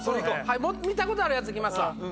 見たことあるやついきますわ。